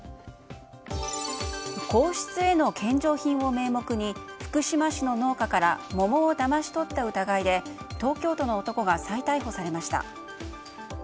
皇室への献上品を名目に福島市の農家から桃をだまし取った疑いで東京都の男が再逮捕されました。